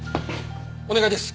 お願いです。